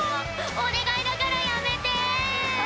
お願いだからやめてぇ